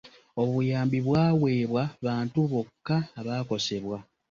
Obuyambi bwaweebwa bantu bokka abaakosebwa.